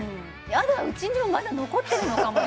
やだうちにもまだ残ってるのかも